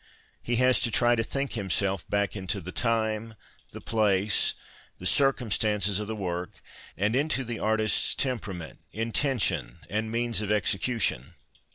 He has to try to fhink himself l)aok into the time, the place, the 237 PASTICHE AND PREJUDICE circumstances of the work, and into the artist's temperament, intentions, and means of execution.